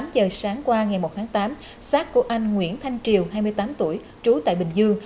tám giờ sáng qua ngày một tháng tám sát của anh nguyễn thanh triều hai mươi tám tuổi trú tại bình dương